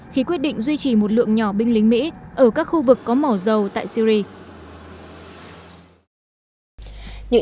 khi quyết định duy trì một lượng nhỏ binh lính mỹ ở các khu vực có mỏ dầu tại syri